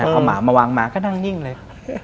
แต่พอหมามาวางหมาก็นั่งนิ่งเลย